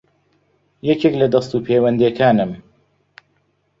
یەکێک لە دەستوپێوەندەکانم